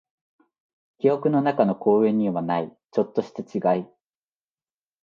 記憶の中の公園にはない、ちょっとした違い。